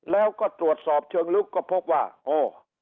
แล้วก็ตรวจสอบเชิงลึกก็พบว่าอ๋อ